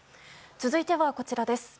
続いては、こちらです。